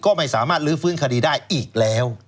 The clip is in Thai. ก็ไม่สามารถลื้อฟื้นคดีได้อีกแล้ว